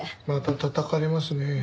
またたたかれますね。